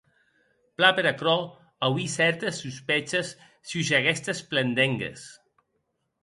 Plan per aquerò auí cèrtes sospeches sus aguestes plendengues.